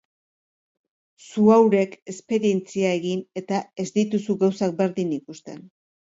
Zuhaurek esperientzia egin eta ez dituzu gauzak berdin ikusten.